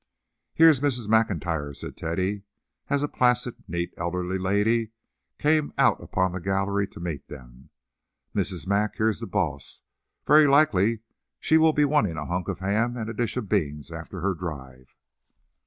"Here's Mrs. MacIntyre," said Teddy, as a placid, neat, elderly lady came out upon the gallery to meet them. "Mrs. Mac, here's the boss. Very likely she will be wanting a hunk of ham and a dish of beans after her drive."